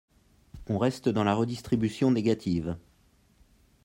On reste dans la redistribution négative.